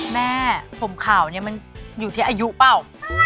แม่ผมขาวเนี่ยมันอยู่ที่อายุเปล่า